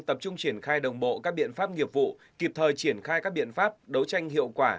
tập trung triển khai đồng bộ các biện pháp nghiệp vụ kịp thời triển khai các biện pháp đấu tranh hiệu quả